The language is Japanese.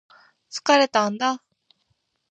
疲れたんだ